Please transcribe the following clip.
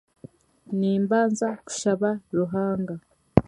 Nimbanza kushaba Ruhanga